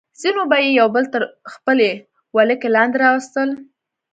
ځینو به یې یو بل تر خپلې ولکې لاندې راوستل.